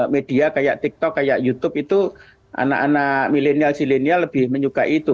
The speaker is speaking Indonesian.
media seperti tiktok youtube anak anak milenial silenial lebih menyukai itu